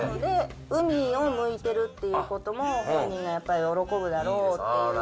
海を向いてるっていうことも、本人がやっぱり喜ぶだろうっていう。